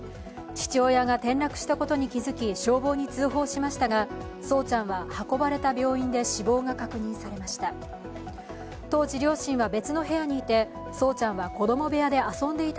父親が転落したことに気づき、消防に通報しましたが、聡ちゃんは運ばれた病院で死亡が確認されました。